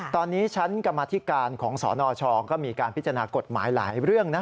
ตอนนี้ชั้นกรรมธิการของสนชก็มีการพิจารณากฎหมายหลายเรื่องนะ